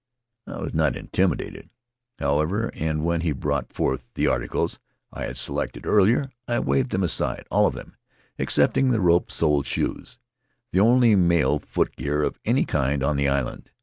I was not intimidated, however, and when he brought forth the articles I had selected earlier I waved them aside — all of them excepting the rope sole shoes, the only male footgear of any kind on the island.